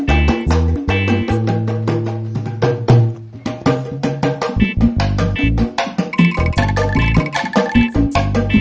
kemudian terpatar dalam k workshop ebay